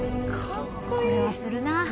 これはするな。